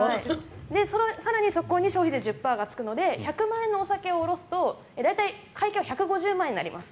更にそこに消費税１０％がつくので１００万円のお酒をおろすと会計は１５０万円になります。